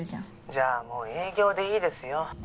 じゃあもう営業でいいですよ。